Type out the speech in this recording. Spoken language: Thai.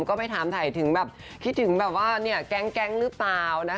ก็ไปถามถ่ายถึงแบบคิดถึงแบบว่าแก๊งหรือเปล่านะคะ